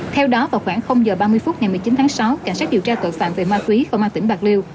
theo đó vào khoảng h ba mươi phút ngày một mươi chín tháng sáu cảnh sát điều tra tội phạm về ma túy công an tỉnh bạc liêu